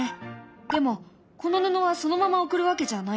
でもこの布はそのまま贈るわけじゃないよね？